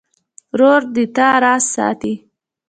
ورور د تا راز ساتي.